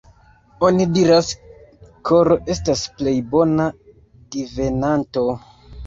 Oni diras, koro estas plej bona divenanto!